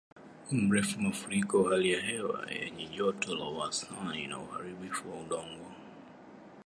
mrefu mafuriko hali ya hewa yenye joto la wastani na uharibifu wa udongo